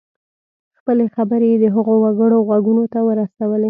خپلې خبرې یې د هغو وګړو غوږونو ته ورسولې.